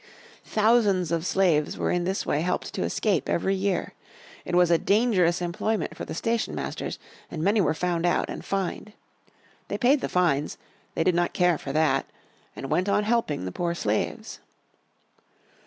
Thousands of slaves were in this way helped to escape every year. It was a dangerous employment for the station masters, and many were found out and fined. They paid the fines, they did not care for that; and went on helping the poor slaves.